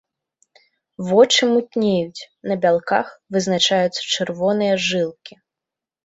Вочы мутнеюць, на бялках вызначаюцца чырвоныя жылкі.